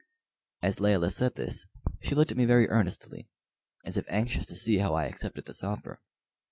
As Layelah said this she looked at me very earnestly, as if anxious to see how I accepted this offer.